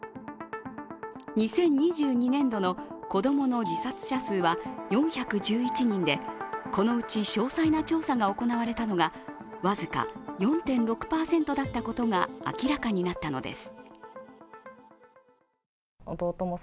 ２０２２年度の子供の自殺者数は４１１人でこのうち詳細な調査が行われたのが僅か４．６％だったことが明らかになったのです。